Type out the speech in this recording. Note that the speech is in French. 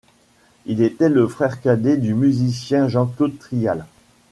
Il était le frère cadet du musicien Jean-Claude Trial.